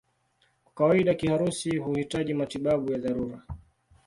Kwa kawaida kiharusi huhitaji matibabu ya dharura.